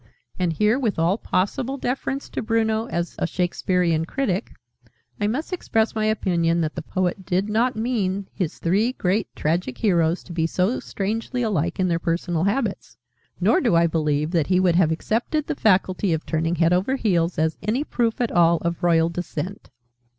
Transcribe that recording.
And here, with all possible deference to Bruno as a Shakespearian critic, I must express my opinion that the poet did not mean his three great tragic heroes to be so strangely alike in their personal habits; nor do I believe that he would have accepted the faculty of turning head over heels as any proof at all of royal descent.